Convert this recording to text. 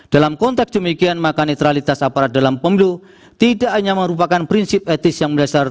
dalam konteks demikian maka netralitas aparat dalam pemilu tidak hanya merupakan prinsip etis yang mendasar